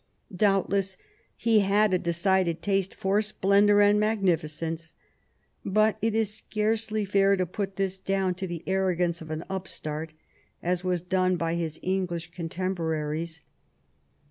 Doubtless he had a decided taste for splendour and magnificence, but it is scarcely fair to put this down to the arrogance of an upstart, as was done by his English contemporaries.